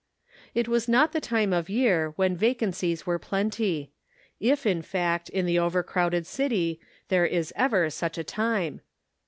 It was not the time of year when vacancies were plenty — if in fact in the over crowded city there is ever such a time.